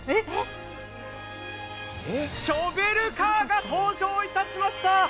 ショベルカーが登場いたしました！